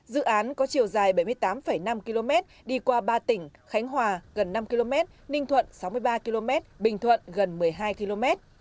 dự án có chiều dài bảy mươi tám năm km đi qua ba tỉnh khánh hòa gần năm km ninh thuận sáu mươi ba km bình thuận gần một mươi hai km